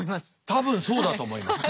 多分そうだと思います。